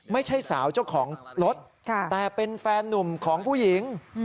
ไม่ใช่สาวเจ้าของรถแต่เป็นแฟนนุ่มของผู้หญิง